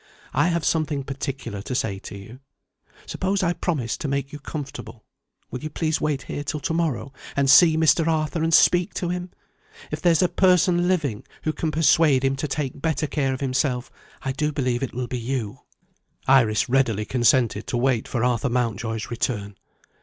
I have something particular to say to you. Suppose I promise to make you comfortable will you please wait here till to morrow, and see Mr. Arthur and speak to him? If there's a person living who can persuade him to take better care of himself, I do believe it will be you." Iris readily consented to wait for Arthur Mountjoy's return.